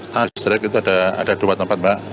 transit itu ada dua tempat mbak